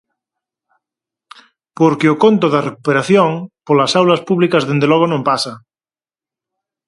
Porque o conto da recuperación, polas aulas públicas dende logo non pasa.